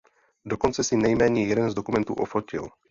Dokonce si nejméně jeden z dokumentů ofotil.